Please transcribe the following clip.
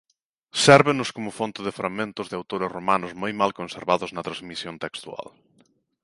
Sérvenos como fonte de fragmentos de autores romanos moi mal conservados na transmisión textual.